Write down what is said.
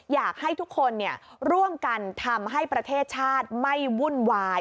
อยากให้ทุกคนร่วมกันทำให้ประเทศชาติไม่วุ่นวาย